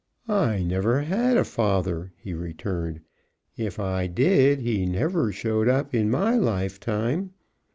"I never had a father," he returned. "If I did, he never showed up in my lifetime.